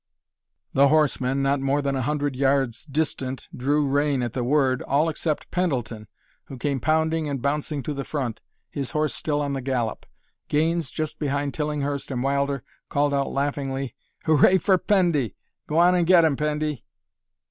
The horsemen, not more than a hundred yards distant, drew rein at the word all except Pendleton, who came pounding and bouncing to the front, his horse still on the gallop. Gaines, just behind Tillinghurst and Wilder, called out laughingly, "Hooray for Pendy! Go on and get him, Pendy!"